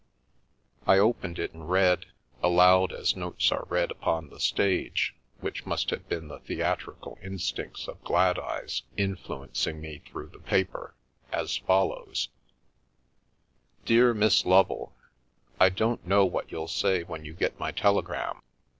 I opened it and read (aloud, as notes are read upon the stage, which must have been the theatrical instincts of Gladeyes influencing me through the paper) as follows: " Dear Miss Lovel, — I don't know what you'll say when you get my telegram.